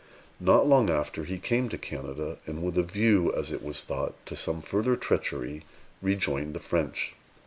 Not long after, he came to Canada, and, with a view, as it was thought, to some further treachery, rejoined the French.